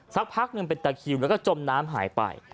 สักพักหนึ่งเป็นตะคิวแล้วก็จมน้ำหายไป